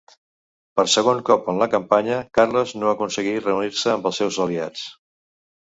Per segon cop en la campanya Carles no aconseguí reunir-se amb els seus aliats.